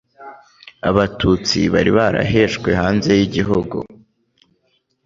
Abatutsi bari barahejwe hanze y'igihugu